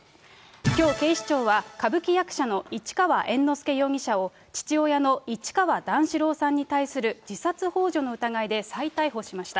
きょう、警視庁は歌舞伎役者の市川猿之助容疑者を父親の市川段四郎さんに対する自殺ほう助の疑いで再逮捕しました。